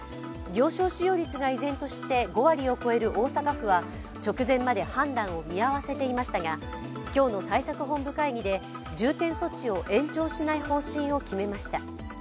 病床使用率が依然として５割を超える大阪市は直前まで判断を見合わせていましたが、今日の対策本部会議で重点措置を延長しない方針を決めました。